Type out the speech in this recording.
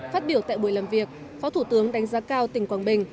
phát biểu tại buổi làm việc phó thủ tướng đánh giá cao tỉnh quảng bình